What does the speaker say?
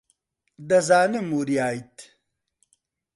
دەزانم وریایت.